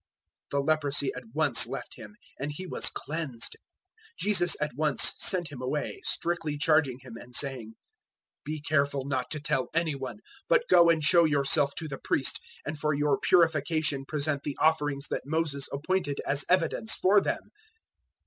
001:042 The leprosy at once left him, and he was cleansed. 001:043 Jesus at once sent him away, strictly charging him, 001:044 and saying, "Be careful not to tell any one, but go and show yourself to the Priest, and for your purification present the offerings that Moses appointed as evidence for them."